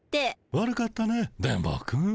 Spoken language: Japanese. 悪かったね電ボくん。